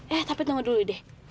eh tapi tunggu dulu deh